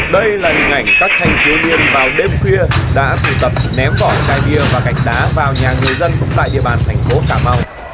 đây là hình ảnh các thanh thiếu niên vào đêm khuya đã tụ tập ném vỏ chai bia và gạch đá vào nhà người dân tại địa bàn thành phố cà mau